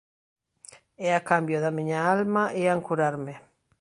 E a cambio da miña alma ían curarme.